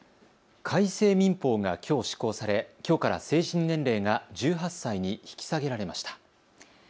改正民法がきょう施行されきょうから成人年齢が１８歳に引き下げられました。